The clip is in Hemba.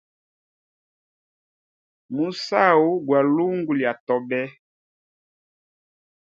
Musau gwa lungu lya tobe.